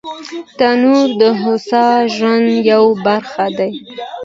تنور د هوسا ژوند یوه برخه ده